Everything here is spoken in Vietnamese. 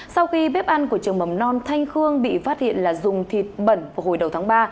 sau khi bếp ăn của trường mầm non thanh khương bị phát hiện là dùng thịt bẩn vào hồi đầu tháng ba